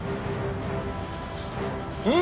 うん！